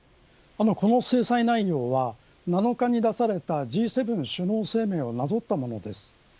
この制裁内容は７日に出されたＧ７首脳声明をなぞったものです。